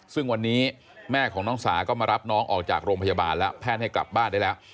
ซึ่งวันนี้แม่ของน้องสาก็มารับน้องออกจากโรงพยาบาลแล้วแพทย์ให้กลับบ้านได้แล้ว